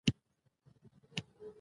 سیاسي پروسه د خلکو ده